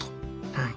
はい。